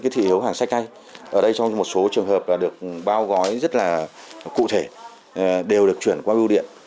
thị hiếu hàng sách tay ở đây trong một số trường hợp là được bao gói rất là cụ thể đều được chuyển qua bưu điện